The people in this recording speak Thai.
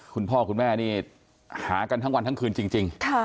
คุณพ่อคุณแม่นี่หากันทั้งวันทั้งคืนจริง